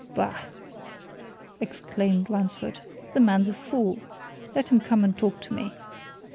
"Bah!" exclaimed Ransford. "The man's a fool! Let him come and talk to me."